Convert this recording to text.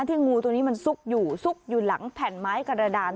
งูตัวนี้มันซุกอยู่ซุกอยู่หลังแผ่นไม้กระดาน